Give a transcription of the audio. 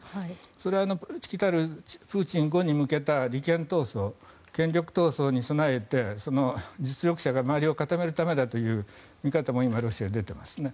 それはきたるプーチン後に向けた利権闘争権力闘争に備えて、実力者が周りを固めるためだという見方も今ロシアで出ていますね。